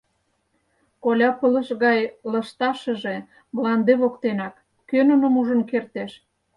Коля пылыш гай лышташыже мланде воктенак — кӧ нуным ужын кертеш.